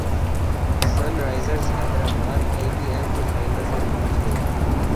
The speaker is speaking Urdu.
sun Risers Hyderabad I P L کے فائنل میں پہنچ گئی